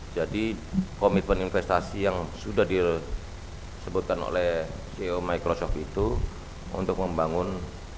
jadi komitmen investasi yang sudah disebutkan oleh ceo microsoft itu untuk membangun